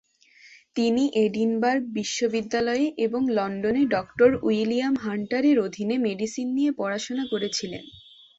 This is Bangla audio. তিনি এডিনবার্গ বিশ্ববিদ্যালয়ে এবং লন্ডনে ডঃ উইলিয়াম হান্টারের অধীনে মেডিসিন নিয়ে পড়াশোনা করেছিলেন।